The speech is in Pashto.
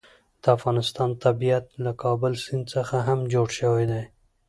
د افغانستان طبیعت له کابل سیند څخه هم جوړ شوی دی.